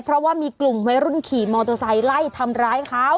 เพราะว่ามีกลุ่มวัยรุ่นขี่มอเตอร์ไซค์ไล่ทำร้ายเขา